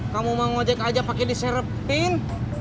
kamu mau ngajak aja pake di serepin